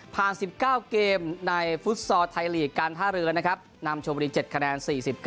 ๑๙เกมในฟุตซอร์ไทยลีกการท่าเรือนะครับนำชมบุรี๗คะแนน๔๙